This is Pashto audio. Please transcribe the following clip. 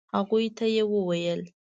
هغوی ته يې وويل.